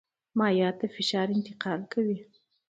مایعات د فشار انتقال کوي.